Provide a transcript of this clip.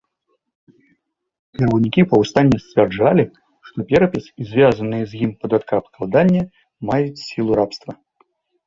Кіраўнікі паўстання сцвярджалі, што перапіс і звязаныя з ім падаткаабкладанне маюць сілу рабства.